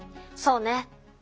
そうね。